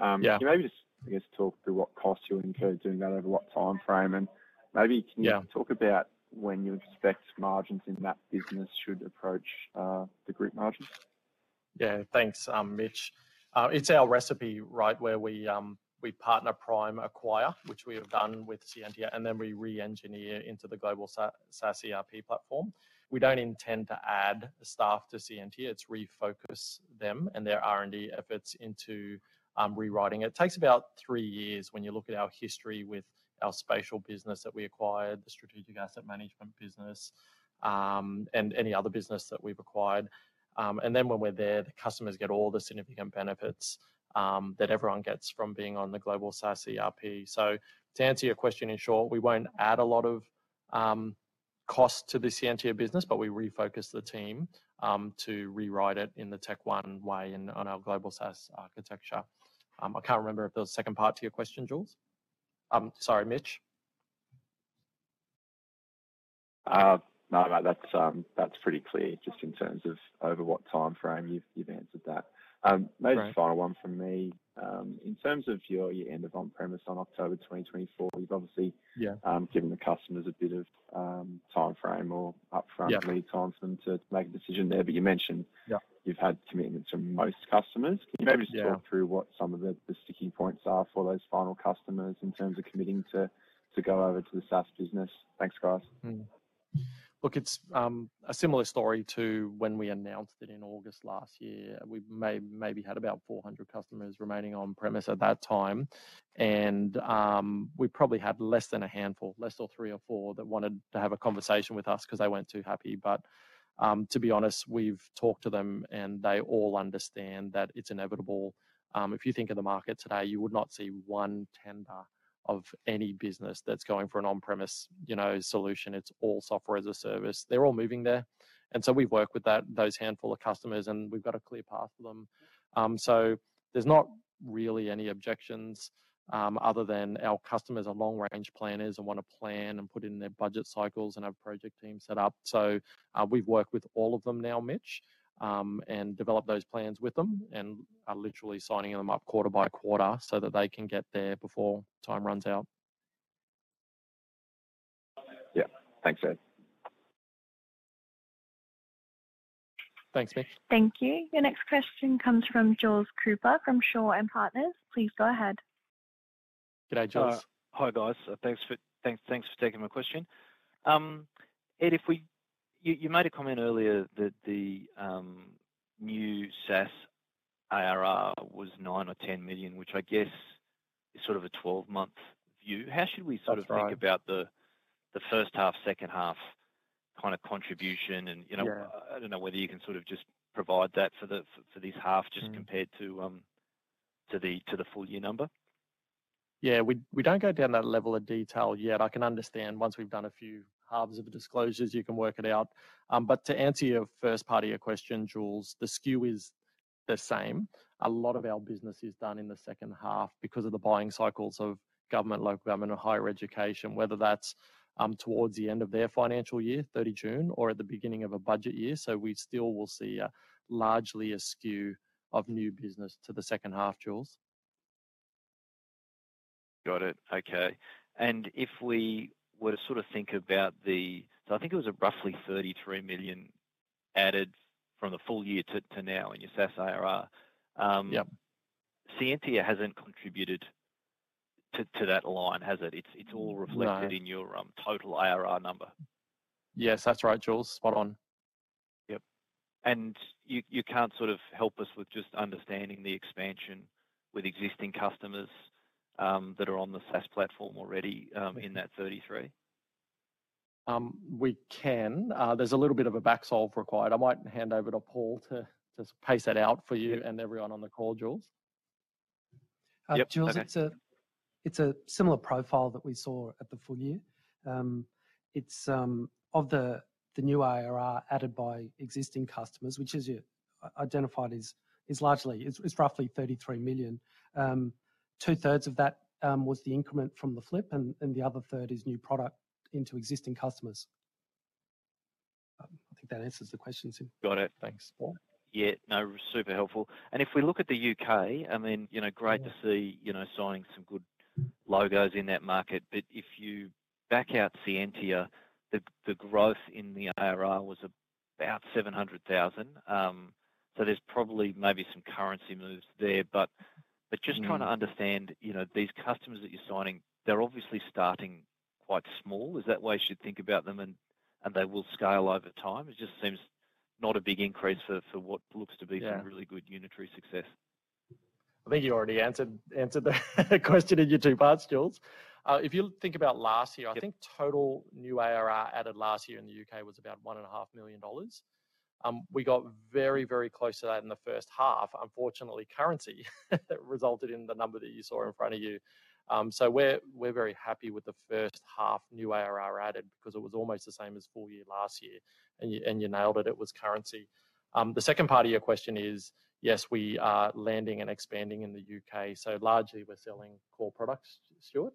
Yeah. Can you maybe just, I guess, talk through what costs you incur doing that over what timeframe? Yeah. Can you talk about when you expect margins in that business should approach the group margins? Yeah. Thanks, Mitch. It's our recipe, right, where we partner prime acquire, which we have done with Scientia, and then we re-engineer into the global SaaS ERP platform. We don't intend to add staff to Scientia. It's refocus them and their R&D efforts into rewriting it. It takes about 3 years when you look at our history with our spatial business that we acquired, the strategic asset management business, and any other business that we've acquired. Then when we're there, the customers get all the significant benefits that everyone gets from being on the global SaaS ERP. So to answer your question, in short, we won't add a lot of cost to the Scientia business, but we refocus the team to rewrite it in the TechOne way and on our global SaaS architecture. I can't remember if there was a second part to your question, Jules. Sorry, Mitch. No, mate, that's pretty clear. Just in terms of over what timeframe, you've answered that. Right. Maybe the final one from me. In terms of your year end of on-premise on October 2024, you've obviously given the customers a bit of timeframe or upfront lead time for them to make a decision there. You mentioned you've had commitments from most customers. Yeah. Can you maybe just talk through what some of the sticking points are for those final customers in terms of committing to go over to the SaaS business? Thanks, guys. Look, it's a similar story to when we announced it in August last year. We maybe had about 400 customers remaining on-premise at that time. We probably had less than a handful, less than 3 or 4, that wanted to have a conversation with us 'cause they weren't too happy. To be honest, we've talked to them and they all understand that it's inevitable. If you think of the market today, you would not see one tender of any business that's going for an on-premise, you know, solution. It's all software as a service. They're all moving there. We've worked with that, those handful of customers, and we've got a clear path for them. There is not really any objections, other than our customers are long-range planners and wanna plan and put in their budget cycles and have project teams set up. We've worked with all of them now, Mitch, and developed those plans with them and are literally signing them up quarter by quarter so that they can get there before time runs out. Yeah. Thanks, Ed. Thanks, Mitch. Thank you. Your next question comes from Jules Cooper from Shaw and Partners. Please go ahead. G'day, Jules. Hi, guys. Thanks for taking my question. Ed, you made a comment earlier that the new SaaS ARR was 9 million or 10 million, which I guess is sort of a 12-month view. How should we sort of think about the first half, second half kinda contribution and, you know I don't know whether you can sort of just provide that for this half, just compared to the full year number. Yeah. We don't go down that level of detail yet. I can understand once we've done a few halves of disclosures, you can work it out. But to answer your first part of your question, Jules, the skew is the same. A lot of our business is done in the second half because of the buying cycles of government, local government or higher education, whether that's towards the end of their financial year, 30 June, or at the beginning of a budget year. So we still will see largely a skew of new business to the second half, Jules. Got it. Okay. If we were to sort of think about, I think it was roughly 33 million added from the full year to now in your SaaS ARR. Yep. Scientia hasn't contributed to that line, has it? It's all reflected in your total ARR number. Yes, that's right, Jules. Spot on. Yep. You can't sort of help us with just understanding the expansion with existing customers that are on the SaaS platform already in that 33? We can. There's a little bit of a back solve required. I might hand over to Paul to just pace that out for you and everyone on the call, Jules. Jules, it's a similar profile that we saw at the full year. It's of the new ARR added by existing customers, which as you identified is largely roughly 33 million. 2/3 of that was the increment from the flip and the other third is new product into existing customers. I think that answers the question, Tim. Got it. Thanks. Paul. Yeah. No, super helpful. If we look at the U.K., I mean, you know, great to see, you know, signing some good logos in that market. If you back out Scientia, the growth in the ARR was about 700,000. There's probably maybe some currency moves there. Mm. Just trying to understand, you know, these customers that you're signing, they're obviously starting quite small. Is that the way I should think about them and they will scale over time? It just seems not a big increase for what looks to be. Yeah Some really good unitary success. I think you already answered the question in your two parts, Jules. If you think about last year. Yeah. I think total new ARR added last year in the U.K. was about 1.5 million dollars. We got very, very close to that in the first half. Unfortunately, currency resulted in the number that you saw in front of you. We're very happy with the first half new ARR added because it was almost the same as full year last year. You nailed it. It was currency. The second part of your question is, yes, we are landing and expanding in the U.K., so largely we're selling core products. Stuart?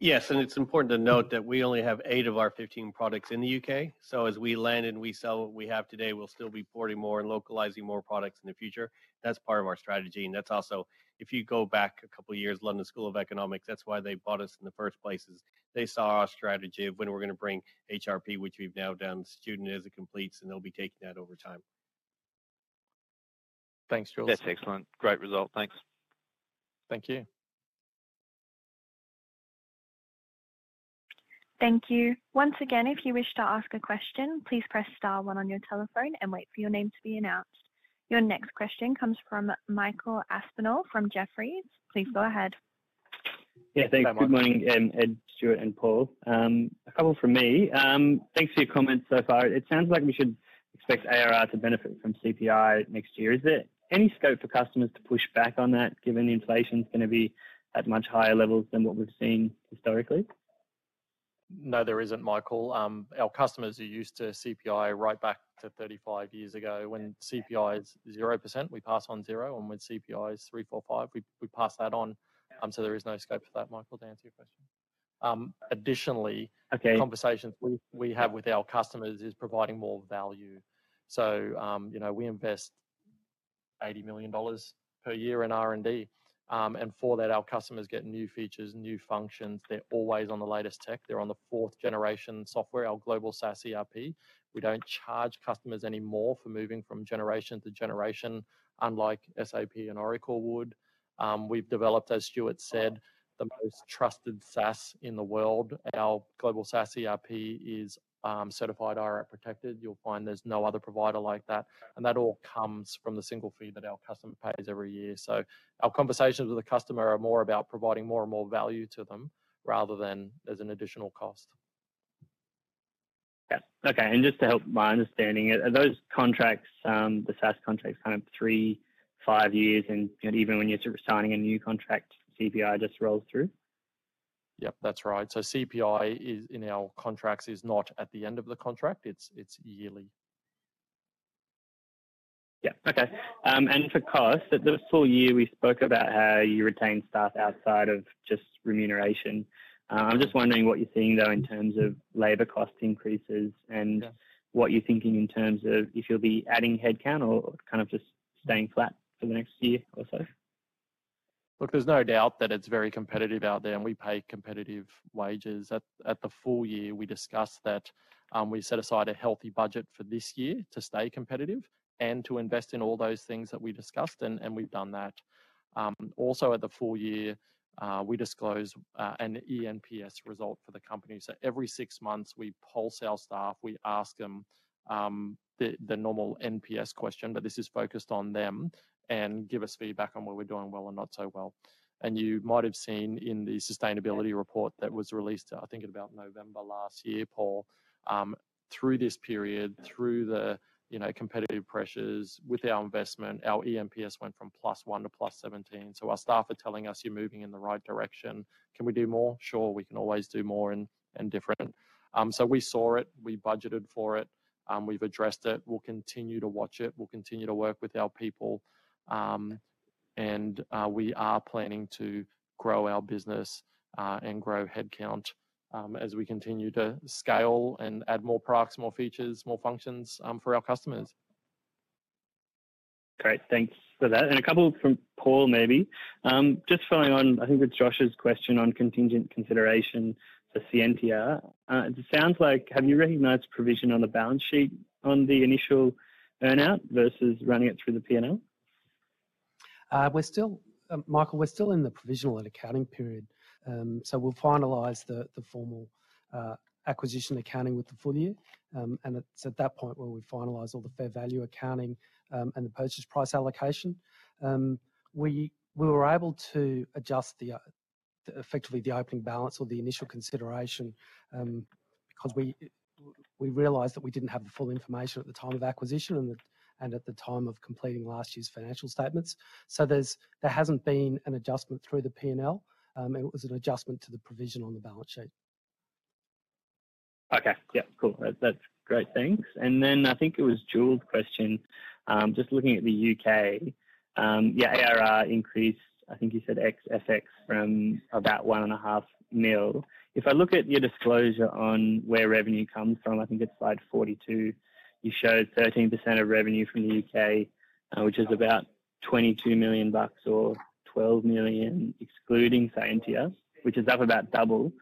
Yes. It's important to note that we only have 8 of our 15 products in the U.K. As we land and we sell what we have today, we'll still be porting more and localizing more products in the future. That's part of our strategy. That's also, if you go back a couple of years, London School of Economics and Political Science, that's why they bought us in the first place, is they saw our strategy of when we're gonna bring HRP, which we've now done. Student is in and completes, and they'll be taking that over time. Thanks, Jules. That's excellent. Great result. Thanks. Thank you. Thank you. Once again, if you wish to ask a question, please press star one on your telephone and wait for your name to be announced. Your next question comes from Michael Aspinall from Jefferies. Please go ahead. Yeah, thanks. Hi, Michael. Good morning, Ed, Stuart, and Paul. A couple from me. Thanks for your comments so far. It sounds like we should expect ARR to benefit from CPI next year. Is there any scope for customers to push back on that given inflation is gonna be at much higher levels than what we've seen historically? No, there isn't, Michael. Our customers are used to CPI right back to 35 years ago. When CPI is 0%, we pass on 0%, and when CPI is 3%, 4%, 5%, we pass that on. Yeah. There is no scope for that, Michael, to answer your question. Okay. The conversations we have with our customers is providing more value. You know, we invest 80 million dollars per year in R&D. For that, our customers get new features, new functions. They're always on the latest tech. They're on the fourth generation software, our global SaaS ERP. We don't charge customers any more for moving from generation to generation, unlike SAP and Oracle would. We've developed, as Stuart said, the most trusted SaaS in the world. Our global SaaS ERP is certified IRAP PROTECTED. You'll find there's no other provider like that, and that all comes from the single fee that our customer pays every year. Our conversations with the customer are more about providing more and more value to them rather than as an additional cost. Yes. Okay. Just to help my understanding it, are those contracts, the SaaS contracts, kind of 3-5 years, and even when you're sort of signing a new contract, CPI just rolls through? Yep, that's right. CPI, as in our contracts, is not at the end of the contract. It's yearly. Yeah. Okay. For cost, at the full year, we spoke about how you retain staff outside of just remuneration. I'm just wondering what you're seeing, though, in terms of labor cost increases and what you're thinking in terms of if you'll be adding headcount or kind of just staying flat for the next year or so? Look, there's no doubt that it's very competitive out there, and we pay competitive wages. At the full year, we discussed that, we set aside a healthy budget for this year to stay competitive and to invest in all those things that we discussed, and we've done that. Also at the full year, we disclose an eNPS result for the company. So every 6 months, we poll our staff. We ask them the normal NPS question, but this is focused on them, and give us feedback on where we're doing well or not so well. You might have seen in the sustainability report that was released, I think in about November last year, Paul, through this period. Yeah. Through the, you know, competitive pressures with our investment, our eNPS went from +1 to +17. Our staff are telling us, "You're moving in the right direction." Can we do more? Sure. We can always do more and different. We saw it, we budgeted for it, we've addressed it. We'll continue to watch it. We'll continue to work with our people. We are planning to grow our business, and grow headcount, as we continue to scale and add more products, more features, more functions, for our customers. Great. Thanks for that. A couple from Paul, maybe. Just following on, I think it's Josh's question on contingent consideration for Scientia. It sounds like have you recognized provision on the balance sheet on the initial earn-out versus running it through the P&L? Michael, we're still in the provisional and accounting period. We'll finalize the formal acquisition accounting with the full year. It's at that point where we finalize all the fair value accounting and the purchase price allocation. We were able to adjust effectively the opening balance or the initial consideration because we realized that we didn't have the full information at the time of acquisition and at the time of completing last year's financial statements. There hasn't been an adjustment through the P&L, and it was an adjustment to the provision on the balance sheet. Okay. Yeah, cool. That, that's great. Thanks. I think it was Jules' question. Just looking at the U.K., your ARR increased, I think you said ex FX from about 1.5 million. If I look at your disclosure on where revenue comes from, I think it's slide 42, you showed 13% of revenue from the U.K., which is about 22 million bucks or 12 million excluding Scientia, which is up about double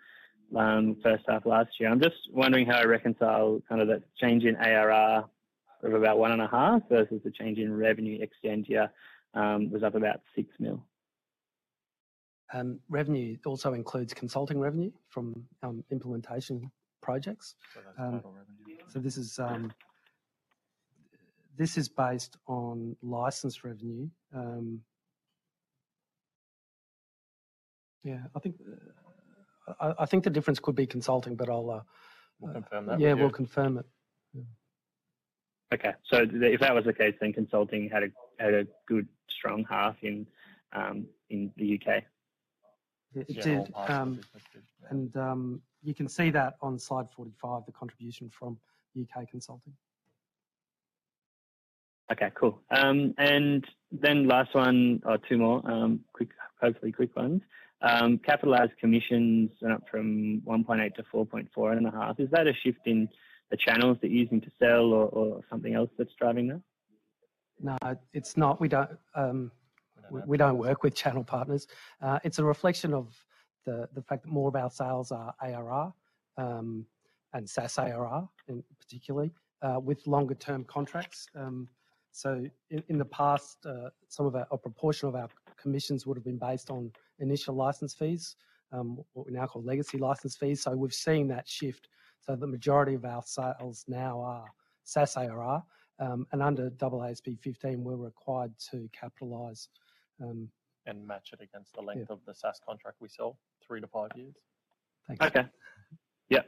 first half last year. I'm just wondering how I reconcile kind of that change in ARR of about 1.5 million versus the change in revenue ex Scientia, was up about 6 million. Revenue also includes consulting revenue from implementation projects. That's total revenue. This is based on license revenue. Yeah, I think the difference could be consulting, but I'll We'll confirm that with you. Yeah, we'll confirm it. Yeah. If that was the case, then consulting had a good strong half in the U.K. It did. You can see that on slide 45, the contribution from U.K. consulting. Okay, cool. Last one or two more, quick, hopefully quick ones. Capitalized commissions went up from 1.8 to 4.4 and a half. Is that a shift in the channels that you're using to sell or something else that's driving that? No, it's not. We don't work with channel partners. It's a reflection of the fact that more of our sales are ARR and SaaS ARR, in particular, with longer term contracts. In the past, a proportion of our commissions would've been based on initial license fees, what we now call legacy license fees. We've seen that shift. The majority of our sales now are SaaS ARR. Under AASB 15, we're required to capitalize. Match it against the length of the SaaS contract we sell, 3-5 years. Thanks. Okay. Yeah.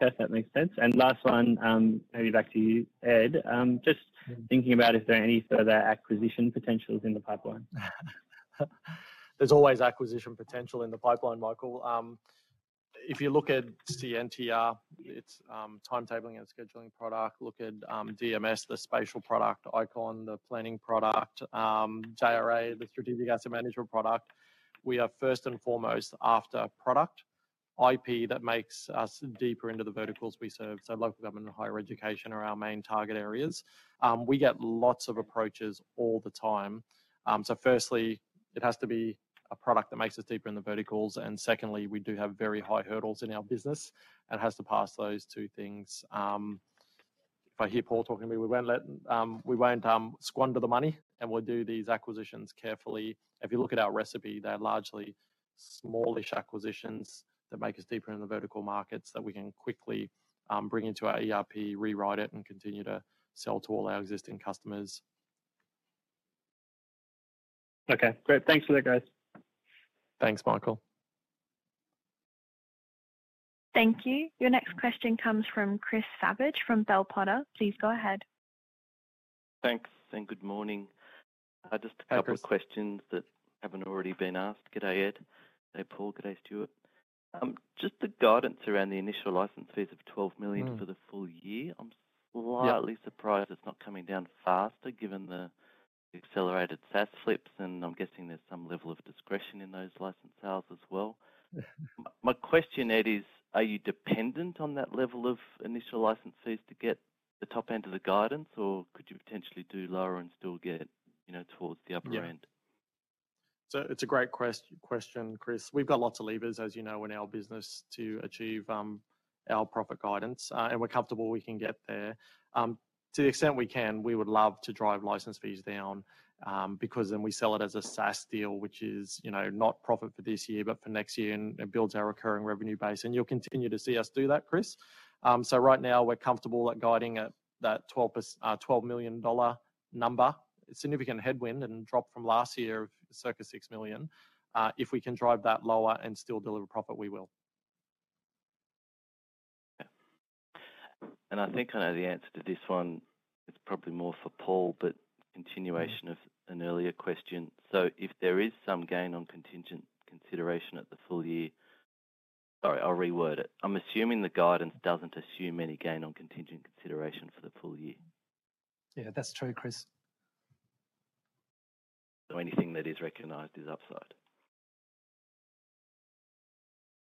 That makes sense. Last one, maybe back to you, Ed. Just thinking about if there are any further acquisition potentials in the pipeline. There's always acquisition potential in the pipeline, Michael. If you look at Scientia, its timetabling and scheduling product, look at DMS, the spatial product, Icon, the planning product, JRA, the strategic asset management product. We are first and foremost after product IP that makes us deeper into the verticals we serve, so local government and higher education are our main target areas. We get lots of approaches all the time. Firstly, it has to be a product that makes us deeper in the verticals. Secondly, we do have very high hurdles in our business. It has to pass those two things. If I hear Paul talking to me, we won't squander the money, and we'll do these acquisitions carefully. If you look at our recipe, they're largely smallish acquisitions that make us deeper in the vertical markets that we can quickly bring into our ERP, rewrite it, and continue to sell to all our existing customers. Okay, great. Thanks for that, guys. Thanks, Michael. Thank you. Your next question comes from Chris Savage from Bell Potter. Please go ahead. Thanks, and good morning. Just a couple of questions that haven't already been asked. G'day, Ed. G'day, Paul. G'day, Stuart. Just the guidance around the initial license fees of 12 million for the full year. Yeah. Surprised it's not coming down faster given the accelerated SaaS flips, and I'm guessing there's some level of discretion in those license sales as well. Yeah. My question, Ed, is, are you dependent on that level of initial license fees to get the top end of the guidance, or could you potentially do lower and still get, you know, towards the upper end? Yeah. It's a great question, Chris. We've got lots of levers, as you know, in our business to achieve our profit guidance, and we're comfortable we can get there. To the extent we can, we would love to drive license fees down, because then we sell it as a SaaS deal, which is, you know, not profit for this year, but for next year, and it builds our recurring revenue base. You'll continue to see us do that, Chris. Right now we're comfortable at guiding at that 12 million dollar number. Significant headwind and drop from last year of circa 6 million. If we can drive that lower and still deliver profit, we will. Yeah. I think I know the answer to this one. It's probably more for Paul, but continuation of an earlier question. If there is some gain on contingent consideration at the full year. Sorry, I'll reword it. I'm assuming the guidance doesn't assume any gain on contingent consideration for the full year. Yeah, that's true, Chris. Anything that is recognized is upside?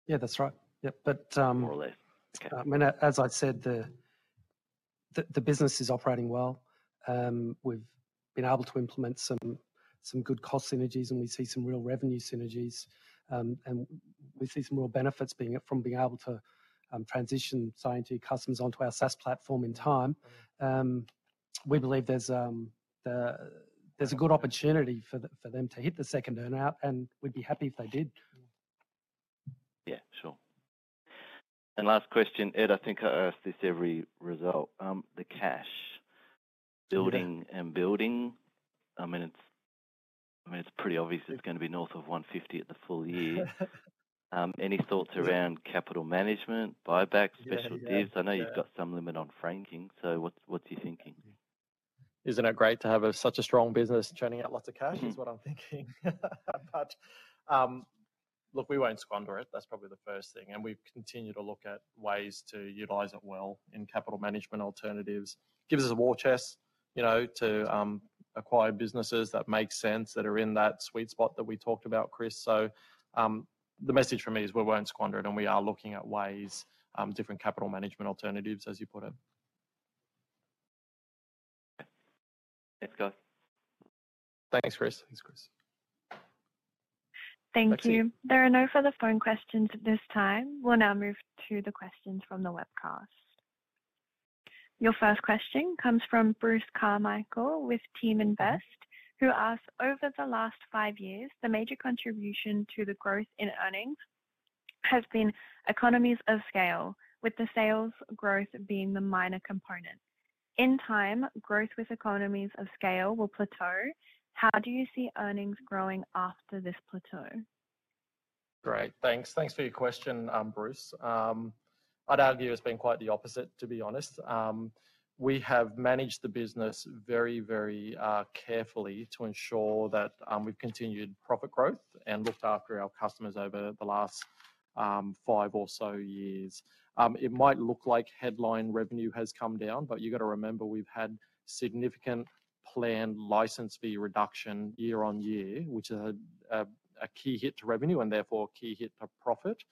Yeah, that's right. Yeah. More or less. Okay. I mean, as I said, the business is operating well. We've been able to implement some good cost synergies, and we see some real revenue synergies. We see some real benefits from being able to transition Scientia customers onto our SaaS platform in time. We believe there's a good opportunity for them to hit the second earn-out, and we'd be happy if they did. Yeah, sure. Last question. Ed, I think I ask this every result. The cash, building and building. I mean, it's pretty obvious it's gonna be north of 150 at the full year. Any thoughts around capital management, buybacks? Yeah, yeah. Special divs? I know you've got some limit on franking, so what's your thinking? Isn't it great to have such a strong business churning out lots of cash, is what I'm thinking. Look, we won't squander it. That's probably the first thing. We've continued to look at ways to utilize it well in capital management alternatives. Gives us a war chest, you know, to acquire businesses that make sense that are in that sweet spot that we talked about, Chris. The message from me is we won't squander it, and we are looking at ways, different capital management alternatives, as you put it. Thanks, guys. Thanks, Chris. Thanks, Chris. Thank you. There are no further phone questions at this time. We'll now move to the questions from the webcast. Your first question comes from Bruce Carmichael with TeamInvest, who asks: Over the last 5 years, the major contribution to the growth in earnings has been economies of scale, with the sales growth being the minor component. In time, growth with economies of scale will plateau. How do you see earnings growing after this plateau? Great. Thanks for your question, Bruce. I'd argue it's been quite the opposite, to be honest. We have managed the business very carefully to ensure that we've continued profit growth and looked after our customers over the last five or so years. It might look like headline revenue has come down, but you've got to remember we've had significant planned license fee reduction year on year, which is a key hit to revenue and therefore a key hit to profit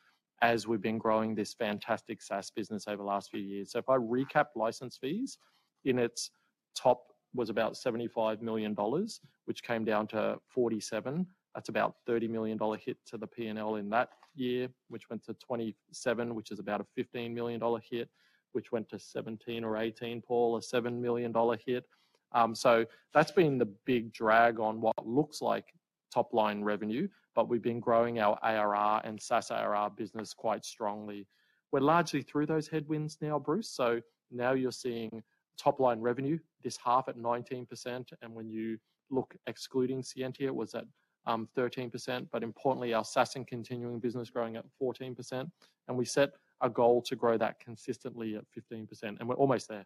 as we've been growing this fantastic SaaS business over the last few years. If I recap license fees, in its top was about 75 million dollars, which came down to 47 million. That's about 30 million dollar hit to the P&L in that year, which went to 27, which is about a 15 million dollar hit, which went to 17 or 18, Paul, a 7 million dollar hit. So that's been the big drag on what looks like top line revenue, but we've been growing our ARR and SaaS ARR business quite strongly. We're largely through those headwinds now, Bruce, so now you're seeing top line revenue this half at 19%, and when you look excluding Scientia, it was at 13%. Importantly, our SaaS and continuing business growing at 14%. We set a goal to grow that consistently at 15%, and we're almost there.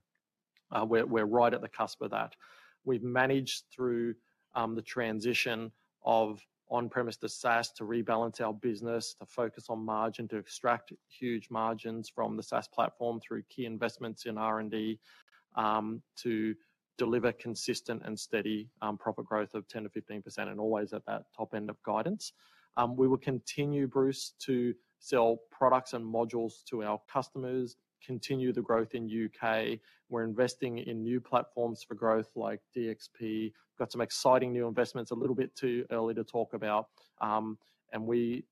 We're right at the cusp of that. We've managed through the transition of on-premise to SaaS to rebalance our business, to focus on margin, to extract huge margins from the SaaS platform through key investments in R&D to deliver consistent and steady profit growth of 10%-15% and always at that top end of guidance. We will continue, Bruce, to sell products and modules to our customers, continue the growth in U.K. We're investing in new platforms for growth like DxP. Got some exciting new investments, a little bit too early to talk about. We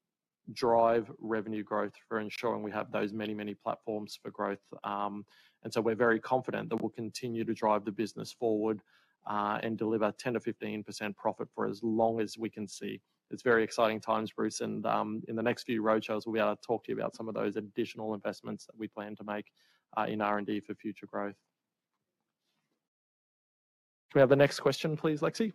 drive revenue growth through ensuring we have those many, many platforms for growth. We're very confident that we'll continue to drive the business forward and deliver 10%-15% profit for as long as we can see. It's very exciting times, Bruce, and in the next few roadshows, we'll be able to talk to you about some of those additional investments that we plan to make in R&D for future growth. Can we have the next question, please, Lexi?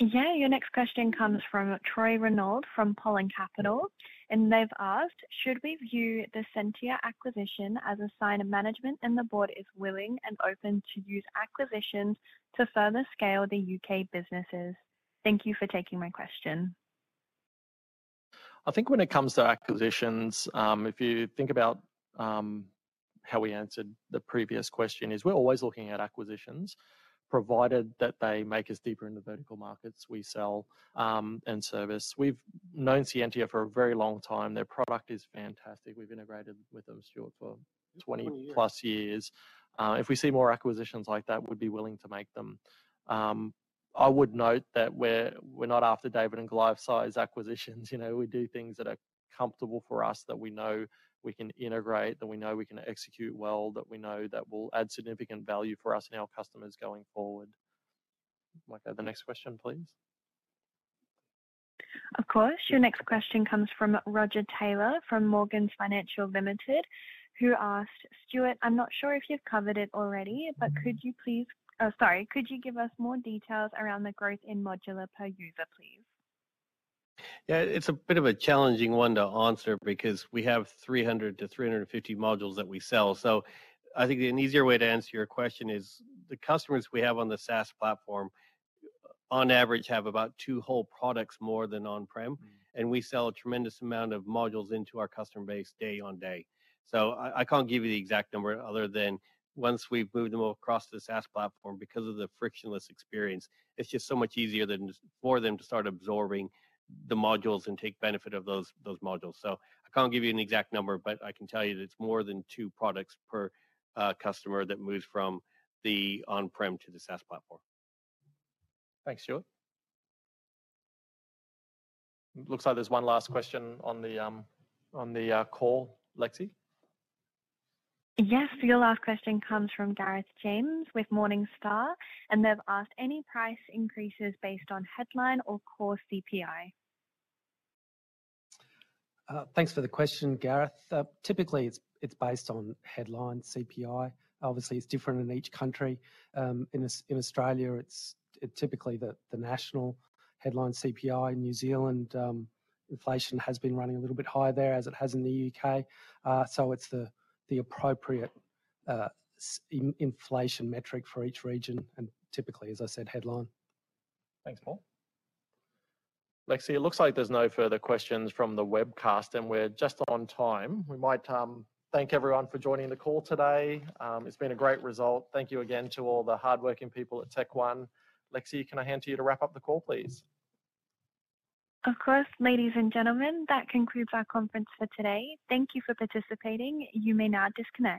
Yeah. Your next question comes from Troy Renauld from Polen Capital, and they've asked: Should we view the Scientia acquisition as a sign of management and the board is willing and open to use acquisitions to further scale the U.K. Businesses? Thank you for taking my question. I think when it comes to acquisitions, if you think about how we answered the previous question is, we're always looking at acquisitions, provided that they make us deeper in the vertical markets we sell, and service. We've known Scientia for a very long time. Their product is fantastic. We've integrated with them, Stuart, for. 20 years. 20+ years. If we see more acquisitions like that, we'd be willing to make them. I would note that we're not after David and Goliath-sized acquisitions. You know, we do things that are comfortable for us, that we know we can integrate, that we know we can execute well, that we know that will add significant value for us and our customers going forward. Lexi, the next question, please. Of course. Your next question comes from Roger Taylor from Morgans Financial Limited, who asked: Stuart, I'm not sure if you've covered it already. Could you give us more details around the growth in modular per user, please? Yeah. It's a bit of a challenging one to answer because we have 300-350 modules that we sell. I think an easier way to answer your question is the customers we have on the SaaS platform on average have about 2 whole products more than on-prem. Mm-hmm. We sell a tremendous amount of modules into our customer base day on day. I can't give you the exact number other than once we've moved them all across to the SaaS platform because of the frictionless experience, it's just so much easier than just for them to start absorbing the modules and take benefit of those modules. I can't give you an exact number, but I can tell you that it's more than two products per customer that moves from the on-prem to the SaaS platform. Thanks, Stuart. Looks like there's one last question on the call. Lexi? Yes. Your last question comes from Gareth James with Morningstar, and they've asked: Any price increases based on headline or core CPI? Thanks for the question, Gareth. Typically, it's based on headline CPI. Obviously, it's different in each country. In Australia, it's typically the national headline CPI. In New Zealand, inflation has been running a little bit higher there as it has in the U.K. So it's the appropriate inflation metric for each region, and typically, as I said, headline. Thanks, Paul. Lexi, it looks like there's no further questions from the webcast, and we're just on time. We might thank everyone for joining the call today. It's been a great result. Thank you again to all the hardworking people at Technology One. Lexi, can I hand to you to wrap up the call, please? Of course. Ladies and gentlemen, that concludes our conference for today. Thank you for participating. You may now disconnect.